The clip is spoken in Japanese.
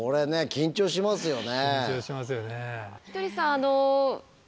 緊張しますよね。